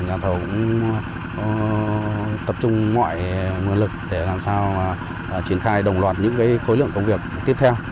nhà thầu cũng tập trung ngoại nguồn lực để làm sao triển khai đồng loạt những khối lượng công việc tiếp theo